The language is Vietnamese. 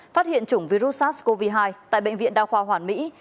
phát hiện chủng virus sars cov hai tại bệnh viện đa khoa hoàn mỹ